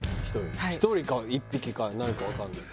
１人か１匹か何かわかんない。